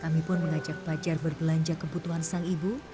kami pun mengajak fajar bergelanja kebutuhan sang ibu